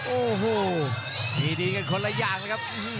โอ้โหดีกันคนละอย่างเลยครับ